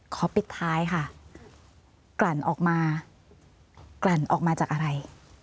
ปิดท้ายค่ะกลั่นออกมากลั่นออกมาจากอะไร